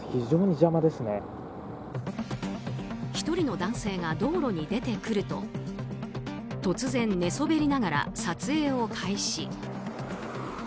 １人の男性が道路に出てくると突然、寝そべりながら撮影を開始。